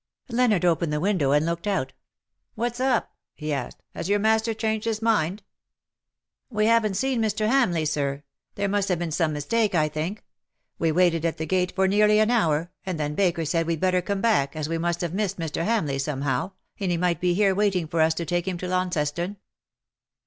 Leonard opened the window, and looked out. "What's up?'' he asked '^ Has your master changed his mind ?" The valet alighted, and came across the yard to the window. "We haven't seen Mr. Hamleigh, Sir. There must have been some mistake, I think. We waited at the gate for nearly an hour, and then Baker said we'd better come back, as we must have missed ;Mr. Hamleigh, somehow, and he might be here waiting for us to take him to Launceston."